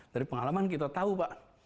dari pengalaman kita tahu pak